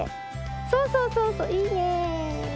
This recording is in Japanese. そうそうそうそういいね。